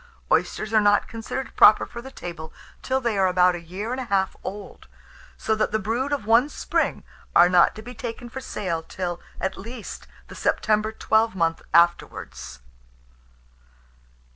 Oysters are not considered proper for the table till they are about a year and a half old; so that the brood of one spring are not to be taken for sale, till, at least, the September twelvemonth afterwards.